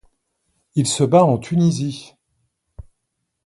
Il se bat en Tunisie.